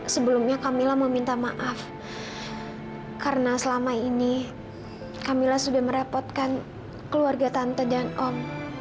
sebelumnya camilla meminta maaf karena selama ini kamila sudah merepotkan keluarga tante dan om